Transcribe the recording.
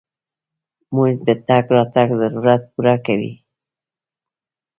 موټر د تګ راتګ ضرورت پوره کوي.